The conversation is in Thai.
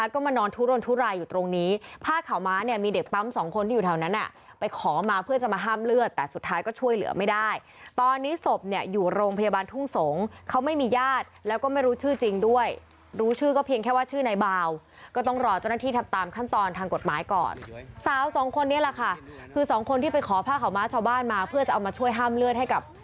ขอผ้าข่าวม้าชาวบ้านมาเพื่อจะเอามาช่วยห้ามเลือดให้กับ